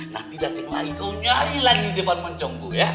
nanti dateng lagi kau nyanyi lagi di depan mencongku ya